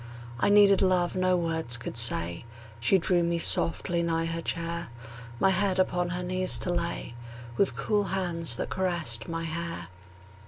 I needed love no words could say; She drew me softly nigh her chair, My head upon her knees to lay, With cool hands that caressed my hair.